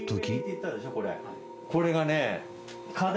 これがね。